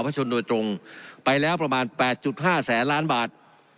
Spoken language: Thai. ชนโดยตรงไปแล้วประมาณ๘๕แสนล้านบาท